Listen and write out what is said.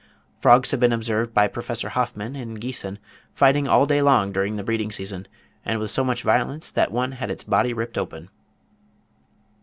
Frogs have been observed by Professor Hoffman in Giessen fighting all day long during the breeding season, and with so much violence that one had its body ripped open.